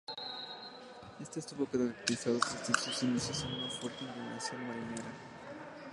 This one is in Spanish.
Este estuvo caracterizado desde sus inicios por una fuerte inclinación marinera.